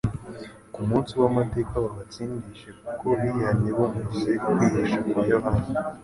ku munsi w'amateka babatsindishe kuko bihannye bumvise kwigisha kwa Yona